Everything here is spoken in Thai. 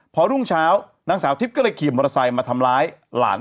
พอดุ้งเช้า